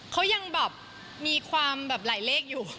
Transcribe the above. เขายังต้องความหลายเลขอยู่